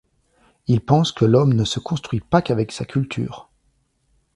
Il pense que l'homme ne se construit pas qu'avec sa culture.